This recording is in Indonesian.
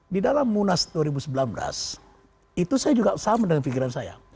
di dalam munas dua ribu sembilan belas itu saya juga sama dengan pikiran saya